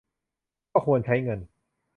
ก็ควรใช้เงิน